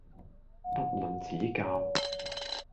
不吝指教